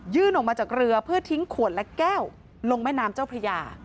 ออกมาจากเรือเพื่อทิ้งขวดและแก้วลงแม่น้ำเจ้าพระยา